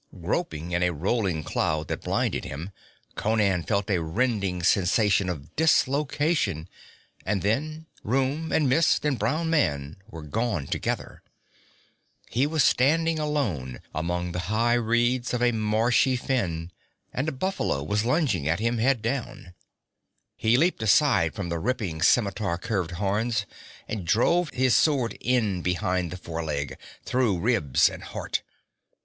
Groping in a rolling cloud that blinded him, Conan felt a rending sensation of dislocation and then room and mist and brown man were gone together. He was standing alone among the high reeds of a marshy fen, and a buffalo was lunging at him, head down. He leaped aside from the ripping scimitar curved horns, and drove his sword in behind the foreleg, through ribs and heart.